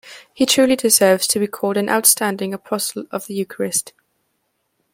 He truly deserves to be called an outstanding apostle of the Eucharist.